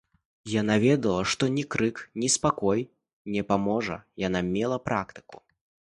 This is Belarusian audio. Яна ведала, што ні крык, ні спакой не паможа, яна мела практыку.